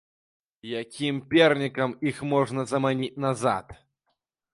Якім пернікам іх можна заманіць назад?